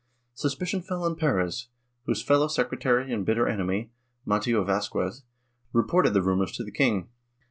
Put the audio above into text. Suspicion fell on Perez, whose fellow secretary and bitter enemy, Mateo Vazquez, reported the rumors to the king.